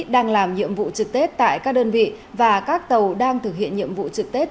đang làm nhiệm vụ trực tết tại các đơn vị và các tàu đang thực hiện nhiệm vụ trực tết